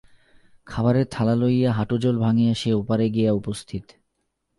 খাবারের থালা লইয়া হাঁটুজল ভাঙিয়া সে ওপারে গিয়া উপস্থিত।